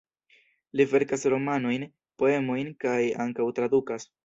Li verkas romanojn, poemojn kaj ankaŭ tradukas.